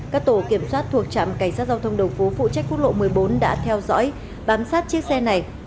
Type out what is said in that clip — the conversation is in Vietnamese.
các tổ kiểm soát thuộc trạm cảnh sát giao thông đồng phú phụ trách quốc lộ một mươi bốn đã theo dõi bám sát chiếc xe này